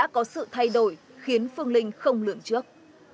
có sự thay đổi khiến phương linh không lượng trước